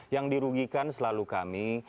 yang dirugikan selalu kami